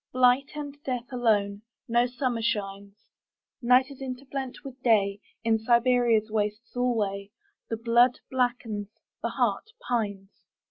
Blight and death alone.No summer shines. Night is interblent with Day.In Siberia's wastes alwayThe blood blackens, the heart pines.